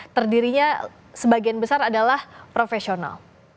terdirinya sebagian besar adalah profesional